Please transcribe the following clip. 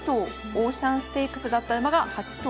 オーシャンステークスだった馬が８頭と。